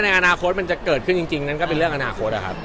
อาณาโค้ดมันจะเกิดขึ้นจริงนั่นก็เป็นเรื่องอาณาโค้ดอะครับ